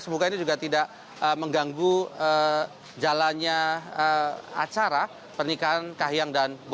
semoga ini juga tidak mengganggu jalannya acara pernikahan kahiyang dan bobi